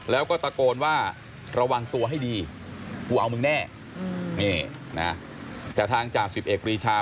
แล้วก็ตะโกนว่าระวังตัวให้ดีกูเอามึงแน่แต่ทางจาก๑๑ปรีชา